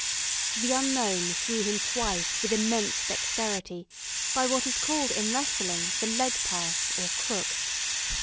The unknown threw him twice with immense dexterity, by what is called, in wrestling, the leg pass, or crook.